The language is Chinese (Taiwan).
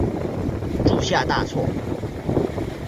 鑄下大錯